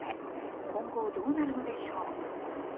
今後、どうなるのでしょう。